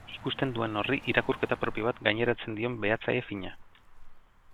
Ikusten duen horri irakurketa propio bat gaineratzen dion behatzaile fina.